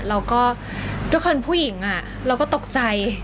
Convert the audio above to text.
แล้วก็ทุกคนผู้หญิงอะเราก็ตกใจ